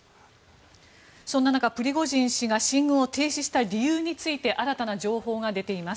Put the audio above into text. そんな中、プリゴジン氏が進軍を停止した理由について新たな情報が出ています。